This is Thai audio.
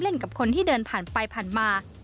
กับคนที่เดินผ่านไปผ่านมา